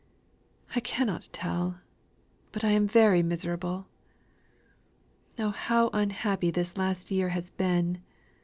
I cannot tell. But I am very miserable! Oh, how unhappy this last year has been!